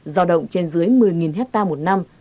do động trên dưới một mươi hectare một năm